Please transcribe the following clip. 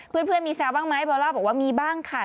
เพื่อนมีแซวบ้างไหมเบลล่าบอกว่ามีบ้างค่ะ